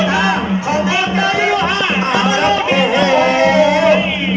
ในหมดลำก็จะเกิดซุ่มสุดท้าย